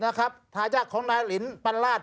นะครับทายาทของนายลิ้นปันราช